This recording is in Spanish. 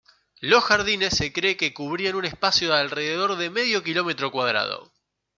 Los jardines se cree que cubrían un espacio de alrededor de medio kilómetro cuadrado.